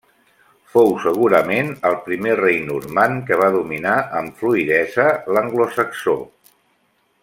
Fou segurament el primer rei normand que va dominar amb fluïdesa l'anglosaxó.